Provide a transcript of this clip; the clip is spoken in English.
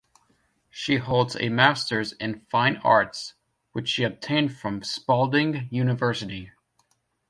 She holds a masters in fine arts, which she obtained from Spalding University.